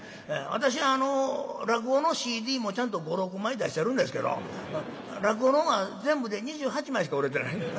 私落語のＣＤもちゃんと５６枚出してるんですけど落語の方は全部で２８枚しか売れてない。